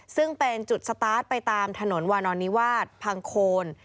ซึ่งเป็นจุดสตาร์ทไปตามถนนวานอนนิวาสพังโคน